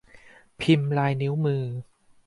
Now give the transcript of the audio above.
พิมพ์ลายนิ้วมือ